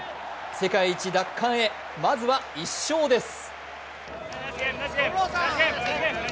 世界一奪還へ、まずは１勝です。